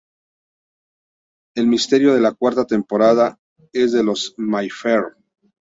El misterio de la cuarta temporada es de los Mayfair.